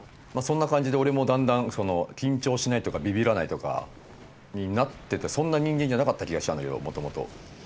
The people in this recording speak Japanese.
そんな感じで俺もだんだんその緊張しないとかビビらないとかになっててそんな人間じゃなかった気がしたんだけどもともと。